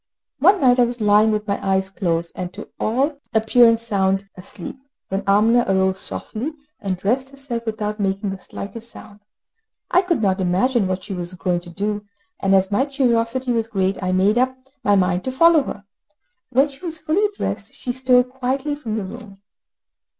One night I was lying with my eyes closed, and to, all appearance sound asleep, when Amina arose softly, and dressed herself without making the slightest sound. I could not imagine what she was going to do, and as my curiosity was great I made up my mind to follow her. When she was fully dressed, she stole quietly from the room.